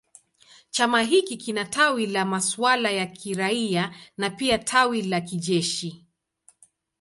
Chama hiki kina tawi la masuala ya kiraia na pia tawi la kijeshi.